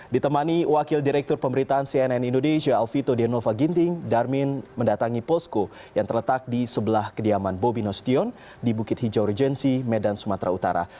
ditemani wakil direktur pemberitaan cnn indonesia alvito denova ginting darmin mendatangi posko yang terletak di sebelah kediaman bobi nostion di bukit hijau regensi medan sumatera utara